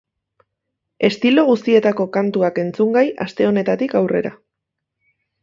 Estilo guztietako kantuak entzungai, aste honetatik aurrera.